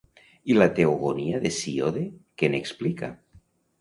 I la Teogonia d'Hesíode què n'explica?